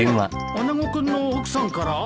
穴子君の奥さんから？